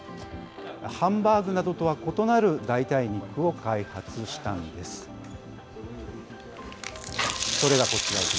ハンバーグなどとは異なる代替肉を開発したんです。